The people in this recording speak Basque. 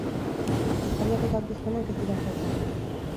Hitzaldiak eta aurkezpenak ez dira faltako han.